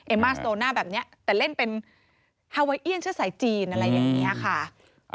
มาสโตน่าแบบนี้แต่เล่นเป็นฮาไวเอียนเชื้อสายจีนอะไรอย่างนี้ค่ะ